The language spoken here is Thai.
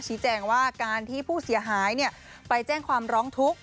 ชี้แจงว่าการที่ผู้เสียหายไปแจ้งความร้องทุกข์